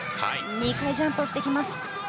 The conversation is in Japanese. ２回ジャンプしてきます。